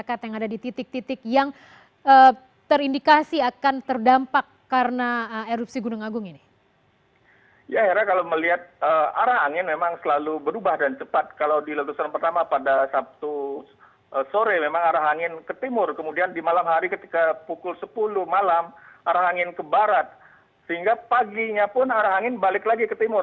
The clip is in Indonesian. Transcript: kemudian di malam hari pukul sepuluh malam arah angin ke barat sehingga paginya pun arah angin balik lagi ke timur